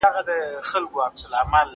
ليکلي پاڼي د زده کوونکي له خوا ترتيب کيږي؟